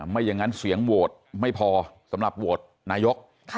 ไม่อย่างนั้นเสียงโหวตไม่พอสำหรับโหวตนายก